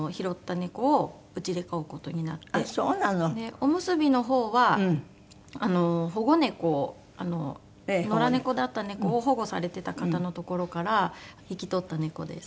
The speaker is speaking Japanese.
お結びのほうは保護猫野良猫だった猫を保護されてた方の所から引き取った猫です。